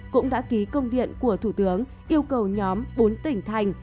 cũng đã ký công điện của thủ tướng yêu cầu nhóm bốn tỉnh thành